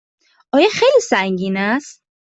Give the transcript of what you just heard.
آیا خیلی سنگین است؟